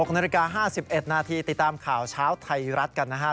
๖นาฬิกา๕๑นาทีติดตามข่าวเช้าไทยรัฐกันนะครับ